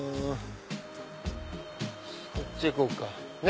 そっち行こうか。